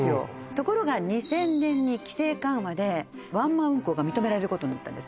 ところが２０００年に規制緩和でワンマン運行が認められることになったんです